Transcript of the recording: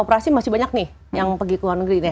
operasi masih banyak nih yang pergi ke luar negeri nih